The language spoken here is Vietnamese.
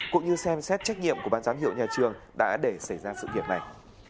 cũng như xem xét trách nhiệm của bán giám hiệu nhà trường đã để xảy ra sự nghiệp này